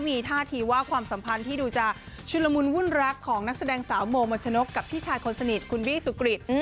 มีท่าทีว่าความสัมพันธ์ที่ดูจะชุนละมุนวุ่นรักของนักแสดงสาวโมมนชนกกับพี่ชายคนสนิทคุณบี้สุกริต